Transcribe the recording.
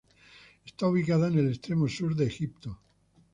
Está ubicada en el extremo sur de Egipto.